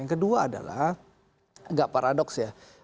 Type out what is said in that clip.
yang kedua adalah agak paradoks ya